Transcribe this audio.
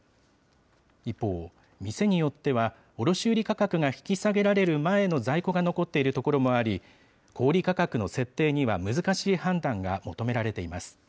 一方、店によっては卸売り価格が引き下げられる前の在庫が残っている所もあり、小売り価格の設定には難しい判断が求められています。